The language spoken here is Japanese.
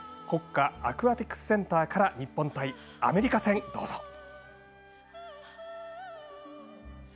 国家アクアティクスセンターから日本対アメリカ戦、どうぞ。